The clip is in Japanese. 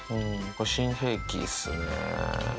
これ、新兵器っすね。